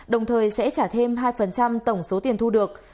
đồng thời sẽ trả thêm hai tổng số tiền thu được